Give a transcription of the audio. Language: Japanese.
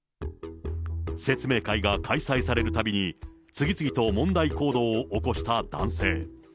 説明会が開催されるたびに、次々と問題行動を起こした男性。